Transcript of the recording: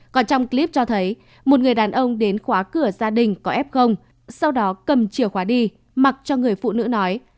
còn trong clip cho thấy một người đàn ông đến khóa cửa gia đình có f sau đó cầm chìa khóa đi mặc cho người phụ nữ nói